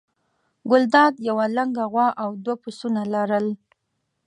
ګلداد یوه لنګه غوا او دوه پسونه لرل.